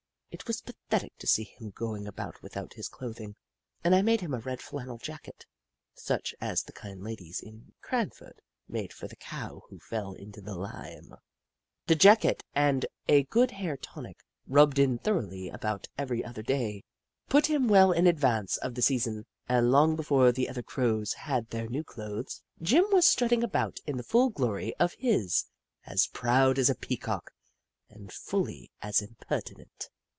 It was pathetic to see him going about without his clothing, and I made him a red flannel jacket, such as the kind ladies in Cranford made for the Cow who fell into the lime. The jacket 132 The Book of Clever Beasts and a good hair tonic, rubbed in thoroughly about every other day, put him well in advance of the season, and long before the other Crows had their new clothes, Jim was strutting about in the full glory of his, as proud as a Peacock and fully as impertinent.